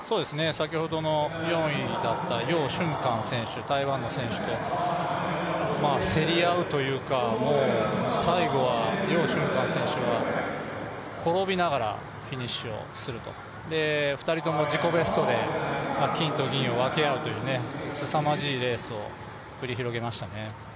先ほどの４位だった楊俊瀚選手、台湾の選手と、競り合うというか最後は楊俊瀚選手が転びながらフィニッシュすると２人とも、自己ベストで金と銀を分け合うというすさまじいレースを繰り広げましたね。